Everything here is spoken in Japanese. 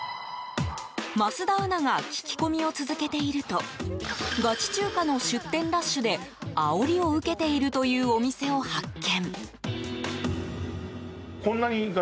桝田アナが聞き込みを続けているとガチ中華の出店ラッシュであおりを受けているというお店を発見。